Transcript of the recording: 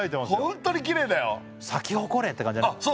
ホントにきれいだよ咲き誇れって感じだねあっ